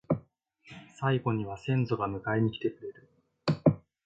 最期には先祖が迎えに来てくれる